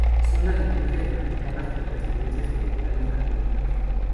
Son las liturgias practicadas por las Iglesias orientales católicas.